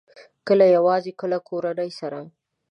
کله یوازې، کله کورنۍ سره